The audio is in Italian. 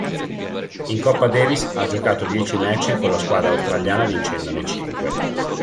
In Coppa Davis ha giocato dieci match con la squadra australiana vincendone cinque.